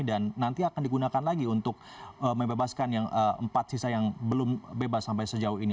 dan nanti akan digunakan lagi untuk membebaskan empat sisa yang belum bebas sampai sejauh ini